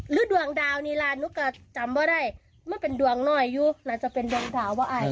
หรือดวงดาวนี่ล่ะนุกก็จำว่าได้มันเป็นดวงน้อยอยู่น่าจะเป็นดวงดาวว่าไอ